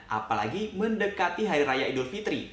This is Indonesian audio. apalagi mendekati hari raya idul fitri